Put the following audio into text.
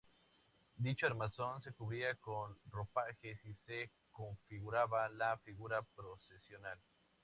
Dicho armazón se cubría con ropajes y se configuraba la figura procesional.